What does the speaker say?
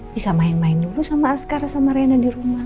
bisa main main dulu sama askar sama rena di rumah